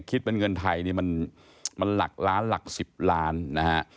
คิดเป็นเงินไทยนี่มันหลักล้านหลัก๑๐ล้านนะฮะ